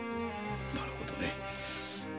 なるほどね。